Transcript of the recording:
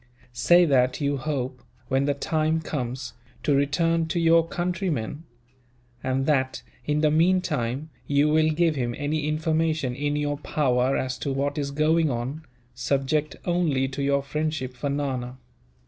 Say that you hope, when the time comes, to return to your countrymen; and that, in the meantime, you will give him any information in your power as to what is going on, subject only to your friendship for Nana.